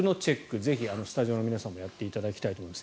ぜひスタジオの皆さんもやっていただきたいと思います。